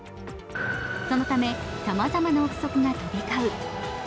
そのためさまざまな憶測が飛び交う